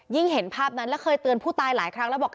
เห็นภาพนั้นแล้วเคยเตือนผู้ตายหลายครั้งแล้วบอก